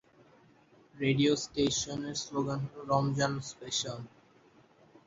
Radio station slogan হল "রমজান special".